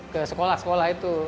ke sekolah sekolah itu